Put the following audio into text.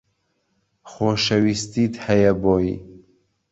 خۆشەویستیت هەیە بۆی